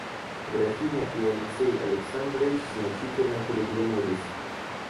Графиня и Алексей Александрович значительно переглянулись.